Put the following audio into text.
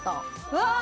うわ！